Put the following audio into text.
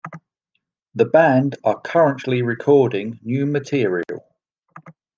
The band are currently recording new material.